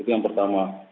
itu yang pertama